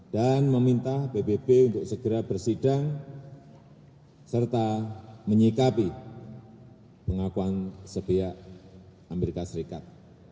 dan meminta ppp untuk segera bersidang serta menyikapi pengakuan sepihak amerika serikat